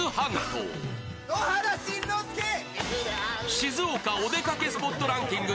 静岡、お出かけスポットランキング